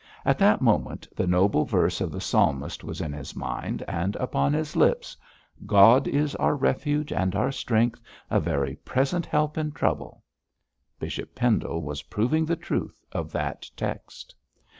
At that moment the noble verse of the Psalmist was in his mind and upon his lips 'God is our refuge and our strength: a very present help in trouble.' Bishop Pendle was proving the truth of that text.